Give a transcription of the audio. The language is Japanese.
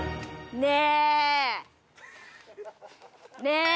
ねえ！